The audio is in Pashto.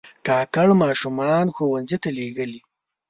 کاکړ ماشومان ښوونځیو ته لېږي.